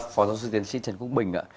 phó giáo sư tiến sĩ trần quốc bình